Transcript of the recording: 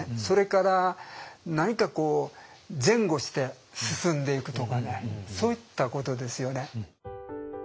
それから何かこう前後して進んでいくとかねそういったことですよね。